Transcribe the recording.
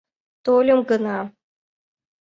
Тольым гына.